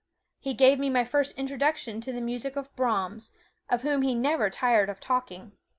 He gave me my first introduction to the music of Brahms, of whom he never tired of talking.